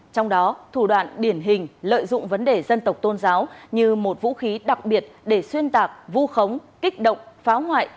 trong đó thủ đoạn điển hình lợi dụng vấn đề dân tộc tôn giáo như một vũ khí đặc biệt để xuyên tạc vu khống kích động phá hoại